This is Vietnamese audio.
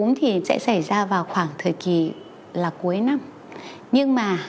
cúm thì sẽ xảy ra vào khoảng thời kỳ là cuối năm